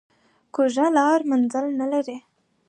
کوږه لار منزل نه لري